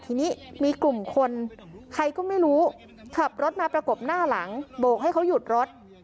ทีนี้มีกลุ่มคนใครก็ไม่รู้ขับรถมาประกบหน้าหลังโบกให้เขาหยุดรถ